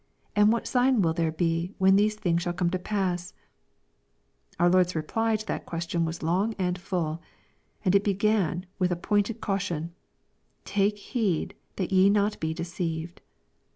and what sign will there be, when these things shall come to pass ?" Our Lord's reply to that question was long and full. And it began with a pointed caution, "Take heed that ye be not deceived."